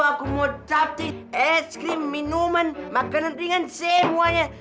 aku mau taktik es krim minuman makanan ringan semuanya